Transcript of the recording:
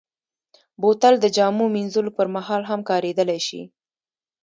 بوتل د جامو مینځلو پر مهال هم کارېدلی شي.